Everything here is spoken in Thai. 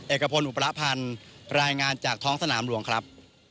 เอกพลอุประพันธ์รายงานจากท้องสนามหลวงครับ